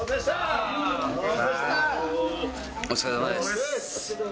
お疲れさまです。